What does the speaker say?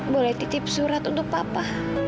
boleh titip surat untuk papa